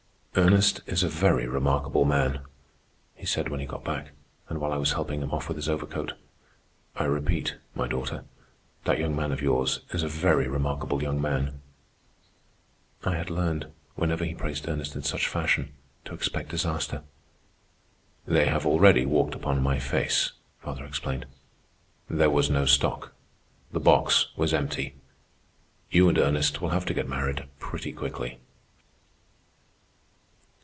"Ernest is a very remarkable man," he said when he got back and while I was helping him off with his overcoat. "I repeat, my daughter, that young man of yours is a very remarkable young man." I had learned, whenever he praised Ernest in such fashion, to expect disaster. "They have already walked upon my face," father explained. "There was no stock. The box was empty. You and Ernest will have to get married pretty quickly."